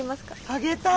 あげたい！